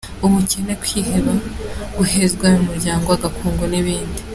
Ubukene, kwiheba, guhezwa mu muryango, agakungu n’ibindi.